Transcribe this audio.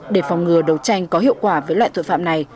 để phòng ngừa đấu tranh có hiệu quả với loại tội phạm này